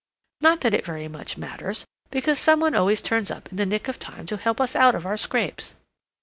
Not that it very much matters, because some one always turns up in the nick of time to help us out of our scrapes.